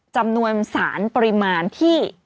จำนวนสารปริมาณที่